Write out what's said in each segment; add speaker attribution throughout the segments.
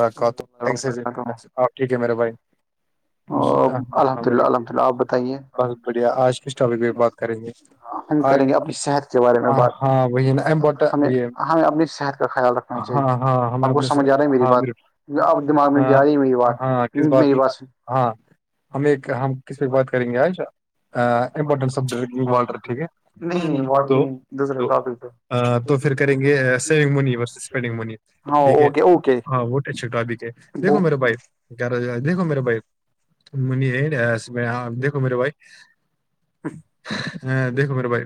Speaker 1: مقات آپ ٹھیک ہے میرے بھائی
Speaker 2: او الحمد اللہ الحمد للہ آپ بتائیے
Speaker 1: بہت بڑھیا آ ہسٹک بات کریں گے ہاں وہ یہ ہاں ہاں ہمیں اپ نے س ہاں بالک ہاں ہاں کس بات کی ہاں ہم ایک ہم کس بات کریں گے آج امپورٹنٹ سبجٹ ہے نہیں نہیں تو پھر کریں گے سیونگ منیس اسپینڈنگ منی ٹھیک ہے ہاں وہٹ ہے چھوٹااب کے دیکھو میرے بائی گ دیکو میرے بھائی منی ہے دیکھو میرے بھائی ہاں دیکھو میرے بھائی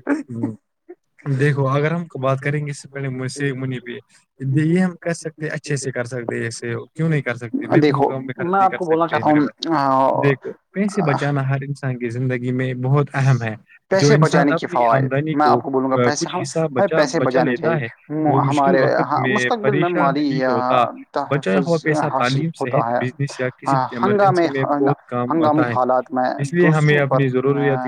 Speaker 1: دیکھو اگر ہم کو بات کریں گے اس سے پہلے منی پہ یہ ہم کر سکتے اچھے سے کر سکتے ایسے کیوں نہیں کر سکتے بے کچ رقم میں خرچ نہیں کر سکتے میرے بھائی دیکھو پیسے بچانا ہر ہر انسان کی زندگی میں بہت اہم ہے جو انسان اپنی آمدنی کو کچھ حصہ بچا بچا لیتا ہے وہ مشکل وقت میں پریشان نہیں ہوتا بچا ہوا پیسہ تعلیم صحت بزنس یا کسی ایمرجنسی میں بہت کام آتا ہے اس لیے ہمیں اپنی ضروریات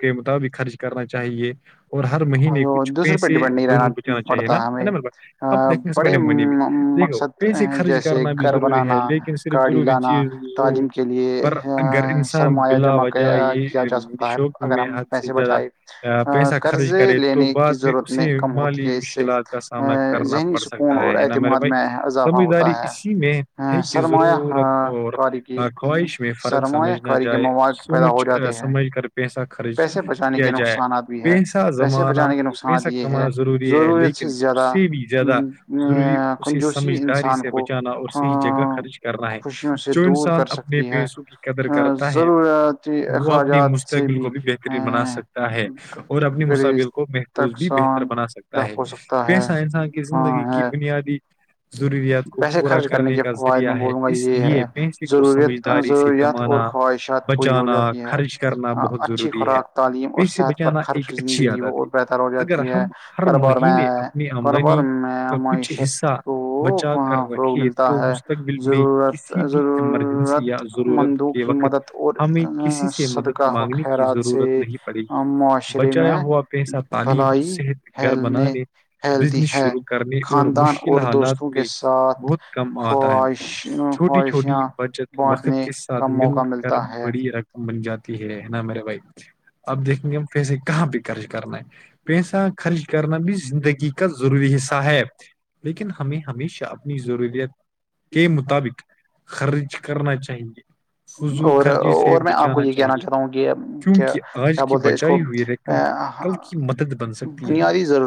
Speaker 1: کے مطابق خرچ کرنا چاہیے اور ہر مہینے کچھ پیسے ضرور بچانا چاہیے نا ہے نا اب میرے بھائی اب دیکھنے سے پہلے منی میں دیکھو کیسے خریچ کرنا بھی ضروری ہے لیکن صرف ضروری چیز پر اگر انسان بلا وجہ یہ شوق میں حد سے زیادہ پیسہ خرچ کرے تو بعد میں اسی مالی مشکلات کا سامنا کرنا پڑ سکتا ہے نا میرے بھائی
Speaker 2: [inaudible]
Speaker 1: سمجھداری اسی میں ہے کہ ضرورت اور خواہش میں فرق سمجھ نہ جائے سوچ سمجھ کر پیسہ خرچ کیا جائے پیسہ زمانہ میں پیسہ کمانا ضروری ہے لیکن اس سے بھی زیادہ ضروری اسے سمجھداری سے بچانا اور صحیح جگہ خرچ کرنا ہے جو انسان اپنے پیسوں کی قدر کرتا ہے وہ اپنے مستقبل کو بہترین بنا سکتا ہے اور اپنی مستقبل کو محفوظ بھی بہتر بنا سکتا ہے پیسہ انسان کی زندگی کی بنیادی ضروریات کو پورا کرنے کا ذریعہ ہے اس لیے پیسے کو سمجھ داری سے کمانا بچانا خرچ کرنا بہت ضروری ہے پیسے بچانا ایک اچھی عادت ہے اگر ہم ہر مہینے اپنے آمدنی کا کچھ حصہ بچا کر رکھے تو مستقبل میں کسی بھی ایمرجنسی یا ضرورت کے وقت ہمیں کسی سے مدد مانگنے کی کی ضرورت نہیں پڑے گی بچایا ہوا پیسہ تعلیم صحت گھر بنانے بزنس شروع کرنے اور مش حالات میں بہت کام آتا ہے چھوٹی چھوٹی بچت وقت کے ساتھ مل کر بڑی رقم بن جاتی ہے نا میرے بھائی اب دیکھیں گے ہم پیسے کہاں پہ خرچ کرنا ہے پیسہ خرچ کرنا بھی زندگی کا ضروری حصہ ہے لیکن ہمیں ہمیشہ اپنی ضروریت کے مطابق خرچ کرنا چاہیے فضول خرچی سے بچانا چاہیے کیونکہ آج کی بچائی ہوئی کل کی مدد بن سکتی ہے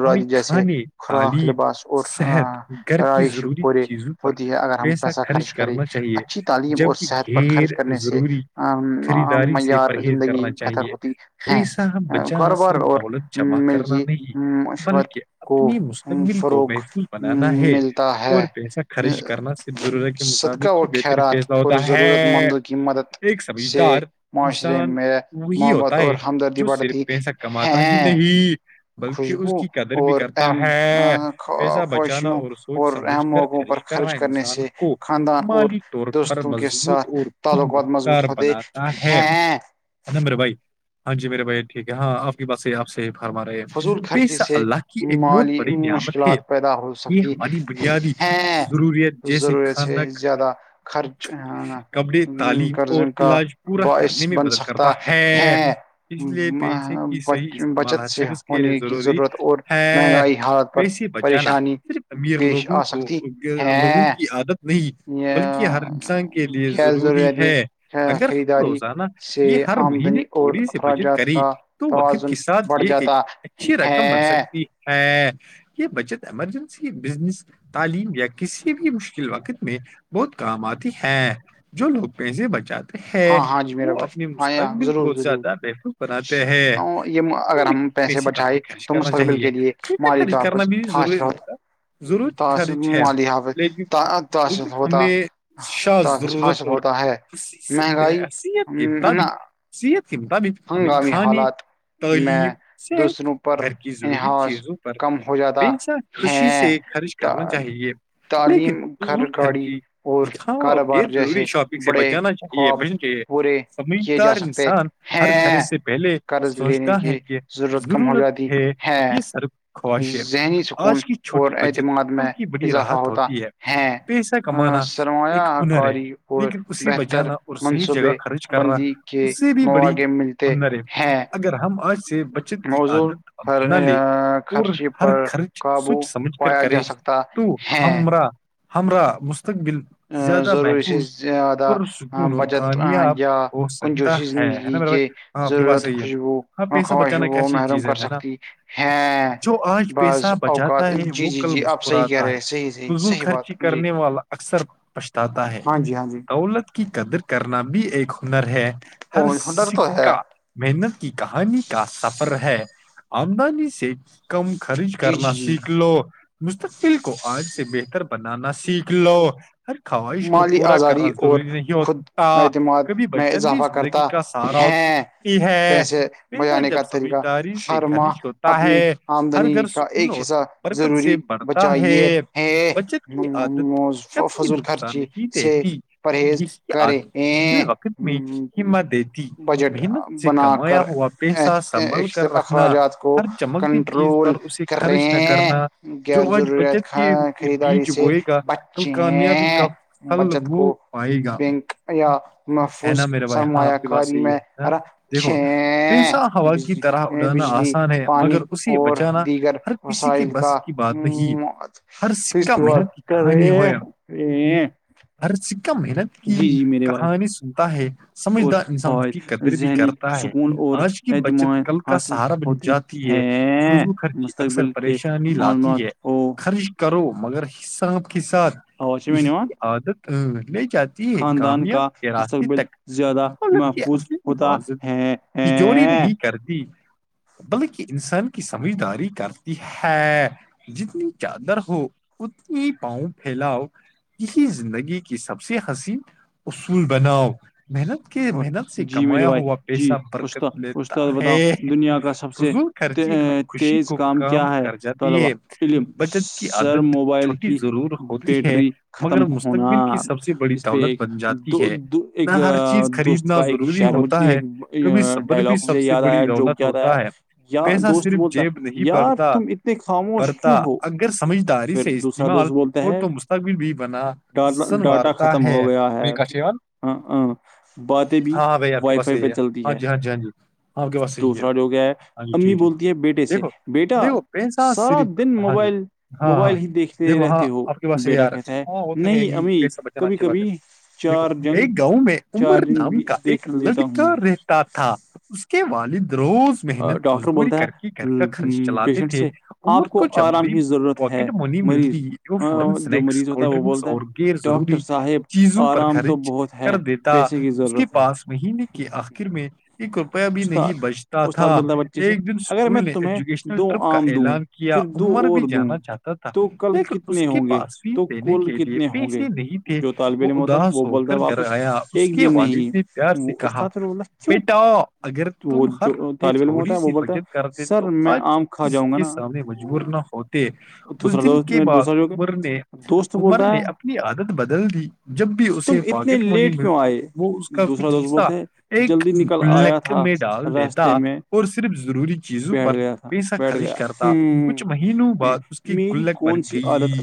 Speaker 1: ہمیں کھانے تعلیم صحت گھر کی ضروری چیزوں پر پیسہ خرچ کرنا چاہیے جبک غیر ضروری خریداری سے پرہیز کرنا چاہیے پیسہ بچانا صرف دولت جمع کرنا نہیں بلکہ اپنی مستقبل کو محفظ بنانا ہے اور پیسہ خرچ کرنا صرف ضرورت کے مطابق ہی بہتر ہوتا ہے ایک سمجھدار انسان وہی ہوتا ہے جو صرف پیسہ کماتا ہی نہیں بلکہ اس کی قدر بھی کرتا ہے پیسہ بچانا اور سوچ سمجھ کر خرچ کرنا انسان کو مالی طور پر مضبوط اور خود مختار بناتا ہے ہے نا میرے بھائی ہاں جی میرے بھائی ٹھیک ہے ہاں اب بس یہ آپ سے فرما رہے پیسہ اللہ کی ایک بہت بڑی نعمت ہے یہ ہماری بنیادی ضروریت جیسے کھانا کپڑے تعلیم اور علاج پورا کرنے میں مدد کرتا ہے اس لیے پیسے کی صحیح استعمال ہر چک کے لیے ضروری ہے بیسی بچ جانا صرف امیر لوگوں کو لوگوں کی عادت نہیں بلکہ ہر انسان کے لیے ضروری ہے اگر روزانہ یہ ہر مہینے تھوڑی سی بچت کریں تو وقت کے ساتھ یہ ایک اچھی رقم بن سکتی ہے یہ بچت ایمرجنسی بزنس تعلیم یا کسی بھی مشکل وقت میں بہت کام آتی ہے جو لوگ پیسے بچاتے وہ اپنی مستقبل کو زیادہ محفوظ بناتے ہیں ایسی کام پہ خرچ کرنا چاہیے ٹھیک ہے خرچ کرنا بھی ضروری نہیں ضرور خرچ ہے لیکن لیکن ہمیں شا ضرورت اور سصت کے مطابقصحت کے مطابق ہمیں کھانے تعلیم ص گھر کی ضروری چیزوں پر انسان خوشی سے خرچ کرنا چاہیے لیکن دول خرچی دکھاؤ اور گ ضروری شاپنگ سے بچانا سمجھدار انسان ہر گھرے سے پہلے سوچتا ہے کہ ضرورت ہے یہ سر خواہش ہے آج کی چھوٹی بچت کل کی بڑی راحت ہوتی ہے پیسہ کمانا ایک ہنر ہے لیکن اسے بچانا صحیح جگہ خرچ کرنا اس سے بھی بڑی ہنر ہے اگر ہم آج سے بچے کی آادت بنا لے اور ہر خرچ سوچ سمجھ کر کرے تو ہما ہمرا مستقبل زیادہ محفوظ پرسکون اور کامیاب ہو سکتا ہے نا میرا بھائی اں آپ کی بات صحی ہے ہاں پیسہ بچانا کیسی چیز ہے نا جو آج پیسہ بچانا تا ہے وہ کل مسکراتا ہے فضول خرچی کرنے والے والا اکثر پچھتا ہے دولت کے کی قدر کرنا بھی ایک ہنر ہے ہر کا محنت کی کہانی کا سفر ہے آمدنی سے کم خرچ کرنا لو مستقبل کو آج سے بہتر بنانا سیکھ لو ہر خواہش کو پورا کرنا ضروری نہیں ہو کبھی بچن بھی زندگی کا سہارا اتی ہے بیٹا جب سمجھداری سے خنیش ہوتا ہے ہر گھر سکون اور رکت سے بڑھتا ہے بچے عادت کبھی نقصان ہی دیتی یہی عادت مل وقت میں ہمت دیتی محنت سے کمایا ہوا پیسہ سنبھل کر رکھنا ہر چمکتی چیز پر اسے خرچ نہ کرنا جو آج بچت کے بیچ ہوئے گا تو کامیابی کا پل ہو پائے گا ہے نا میرا بھائی ہاں آپ کی بات صحی ہےا دیکھو پیسا ہوا کی طرح اڑانا آسان ہے مگر اسے بچانا ہر کسی کے بس کی بات نہیں ہے ہر محنت کی کہانی ہو ہر سکہ محنت کی کہانی ہے سمجھدار انسان اس کی قدر بھی کرتا ہے آج کی بچت کل کا سہارا بن جاتا رو خرچی اکثر پریشانی لاتی ہے خرچ کرو مگر حسابپ کے ساتھ اس کی عادت لے جاتی ہے کامیاب کے راستے تک کیا حفاظت تچوری نہیں کرتی بلکہ انسان کی سمجھداری کرتی ہے جتنی چادر ہو اتنی پاؤں پھیلاؤ یہی زندگی کی سب سے حسین اصول بناؤ محنت کے محنت سے کمایا ہوا پیسہ برکت ہے فضول خرچی ہر خوشی کو ک کام کر جاتی ہے بچت کی عادت چھوٹی ضرور ہوتی ہے مگر مستقبل کی سب سے بڑی دولت بن جائے تی ہے نہ ہر چیز خریدنا ضروری ہوتا ہے کبھی صبر بھی سب سے بڑی رونق ہوتا ہے پیسا صرف جیب نہیں پڑھتا پڑھتا اگر سمجھداری سے استعمال ہو تو مستقبل بھی بنا سن وارتا ہے م کش ون ہاں ہاں بھائی آپ کے بس یہی ہے ہاں جی ہاں جی ہاں جی آ آپ کے بس یہی ہے ہے ٹھیک دیکھو دیکھو پاف ج ہاں ہاں دیکھو وہاں آپ کے پاس یار ہاں وہ تو ہے ہی پیس بچان اچھھی ب ہے ایک گاؤں میں عمر نام کا ایک لڑکار رہ تھا اس کے والد روز محنت مزدوری کر کے گھر کا خرچ تھے عمر کو جب بھی پاکٹ منی ملتی جو فورن سنیکس کولڈ ڈرنکس اور غیر ضروری چیزوں پر خرچ کر دیتا اس کے پاس مہینے کے آخر میں کہ رپیہ بھی نہیں بچتا تھا ایک دن اسکول نے ایجوکیشن ٹرپ کا اعلان کیا عمر بھی جانا چاہتا تھا لیکن اس کے پاس یس دینے کے لیئے پیسے نہیں تھے وہ اداس ہو کر گھر آیا اس کے والد نے وسیکا بیٹا اگرگر تو تھوڑی سی بچت کرتے تو آج کسی کے سامنے مجبور نہ ہوتے اس دن کے بعد عمر نے عمر نے اپنی عادت بدل دی جب بھی اسے پاکیٹ منی ملتی وہ اس کا حصہ ایک گک میں اور صرف ضروری چیزوں پر ا خرچ کرتا کچھ مہینوں بعد اس کی گلک بر گئی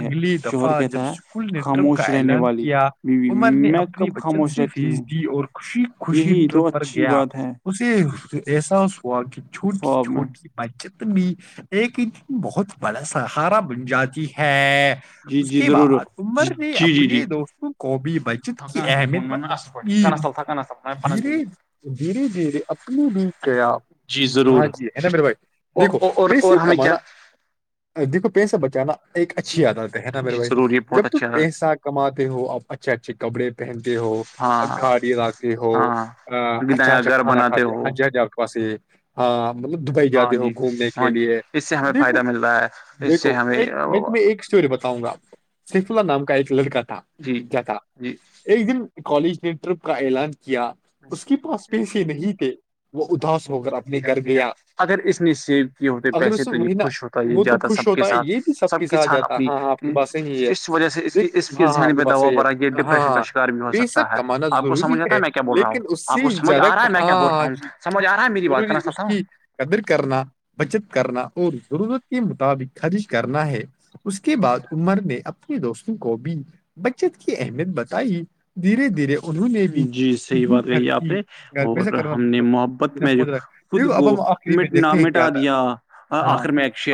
Speaker 1: اگلی دفعہ جب سکول نے ٹرمپ کا اعلان کیا عمر نے اپنی بچن سے فیس دی اور خوشی خوشی ٹرپ پر گیا اسے احساس ہوا کہ چھوٹی چھوٹی بچت میں ایک ہی دن بہت بڑا سہارا بن جاتی ہے ہے اس کے بعد عمر نے اپنے دوستوں کو بھی ب ت کی اہمیت بن دھیرے دھیرے دھیرے اپنے بھی کہ آپ
Speaker 2: جی ضرور
Speaker 1: نا میرے بھائی دیکھو پیسے کمانا دیکھو پیسے بچانا ایک اچھی عادت ہے نا میرے بھائی جب تم پیسہ کماتے ہو اپ اچھے اچھے کپڑے پہنتے ہو گاڑیں لاتے ہو اچھا اچھا کھانا کھاتے ہو پاس ہاں مطلب دبئی جاتے ہو گھومنے کے لیے دیکھو دیکھو ایک میں تمہیں ایک ور بتاؤں گا سیف اللہ نام کا ایک لڑکا تھا کیا تھا ایک دن کالج نے ٹرپ کا اعلان کیا اس کے پاس پیسے نہیں تھے وہ اداس ہو کر اپنے گھر میں
Speaker 2: اگر اس نے سیو کیے ہوتے پیسے تو یہ خوش ہوتا ہے یہ جیادہ سب کے ساتھ سب کے سھ اپنی اس وجہ سے اس اس کے ذہنی پہ دباؤ بڑا یہ ڈپریشن کا شک بھی ہو سکتا ہے آپ کو سمجھ جاتا ہے میں کیا بول رہا ہوں آپ کومجھ آ رہا ہے میں کیا بول رہا ہوں سمجھ رہا ہے میری بات کرنا چاہتا ہوں
Speaker 1: کی قدر کرنا بچت کرنا اور ضرورت کے مطابق خارج کرنا ہے اس کے بعد عمر نے اپنے دوستوں کو بھی بچت کی اہمیت بتائی دھیرے دھیرے انہوں نے بھی خ خرچ پیسا کرا دیک اب ہم آخری میں دیکھتے ہیں کیا تھا ہاں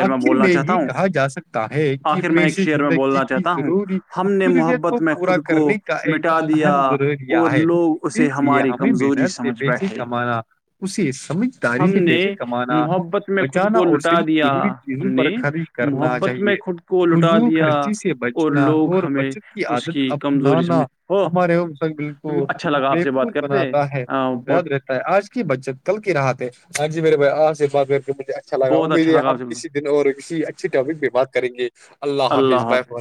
Speaker 1: آخر میں یہ کہا جا سکتا ہے کہ پیش زندگی کی ضروری فریت کو پورا کرنے گ ہے اس لیے ہمیں ب نر سے پیسے کمانا اسے سمجھ داری سے پیسے کمانا بچانا اور صرف ضروری چیزوں پر خرچ کرنا چاہیے خضو خرچی سے بچنا اور بچت کی عادت اپنانا
Speaker 2: ہاں
Speaker 1: ہمارے وہ مسلمل کو بےظ بناتا ہے یاد رہ آج کی بچت کل کی رہا تھے آج جی میرے ب آ سے بات کر کے مجھے اچھا لگا امید ہے ہم کسی اور کسی اچھے ٹاپک پہ بات کریں گے اللہ حافظ